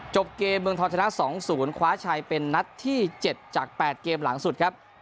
จบเกมเมืองทรณะสองศูนย์คว้าชัยเป็นนัดที่เจ็ดจากแปดเกมหลังสุดครับ